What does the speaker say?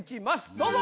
どうぞ！